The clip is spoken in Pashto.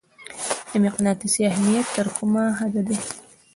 د مقناطیس اهمیت تر کومه حده دی؟